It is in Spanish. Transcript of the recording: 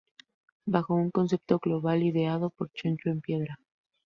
Bajo un concepto global ideado por Chancho en Piedra.